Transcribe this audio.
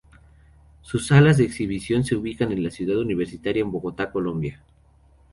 Sus salas de exhibición se ubican en la ciudad universitaria en Bogotá, Colombia.